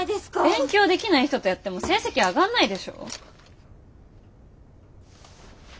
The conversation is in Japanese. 勉強できない人とやっても成績上がんないでしょ。